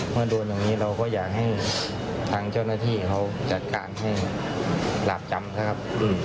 โดนอย่างนี้เราก็อยากให้ทางเจ้าหน้าที่เขาจัดการให้หลาบจำนะครับ